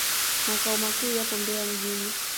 Makao makuu yapo Mbeya mjini.